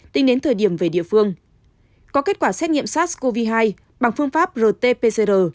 tính đến thời điểm về địa phương có kết quả xét nghiệm sars cov hai bằng phương pháp rt pcr